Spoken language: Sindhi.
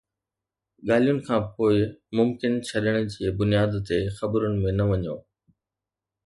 ڳالهين کانپوءِ ممڪن ڇڏڻ جي بنياد تي خبرن ۾ نه وڃو